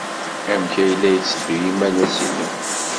Amek ay la yetteddu yimalas-nnem?